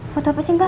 foto apa sih mbak